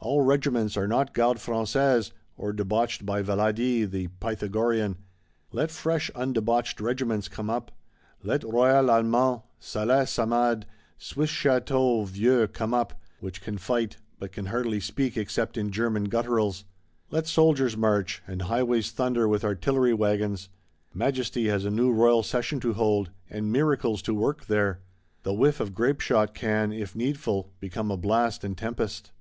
All Regiments are not Gardes Françaises, or debauched by Valadi the Pythagorean: let fresh undebauched Regiments come up; let Royal Allemand, Salais Samade, Swiss Château Vieux come up,—which can fight, but can hardly speak except in German gutturals; let soldiers march, and highways thunder with artillery waggons: Majesty has a new Royal Session to hold,—and miracles to work there! The whiff of grapeshot can, if needful, become a blast and tempest.